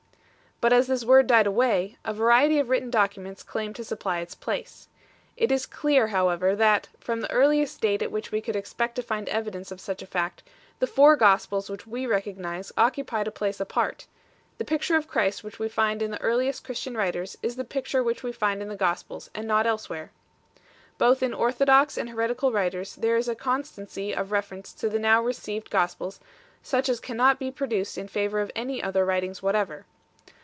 But as this word died away, a variety of written documents claimed to supply its place. It is clear however that, from the earliest date at which we could expect to find evidence of such a fact, the Four Gospels which we recognize occupied a place apart ; the picture of Christ which we find in the earliest Christian writers is the picture which we find in the Gospels and not elsewhere. Both in orthodox and heretical writers there is a constancy of reference to the now received Gospels such as cannot be produced in favour of any other writings whatever.